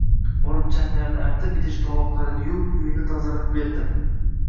Borib changlarini artib, idish-tovoqlarini yuvib, uyini tozalab berdim